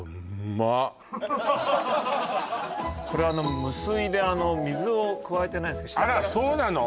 あこれは無水で水を加えてないんですけどあらそうなの？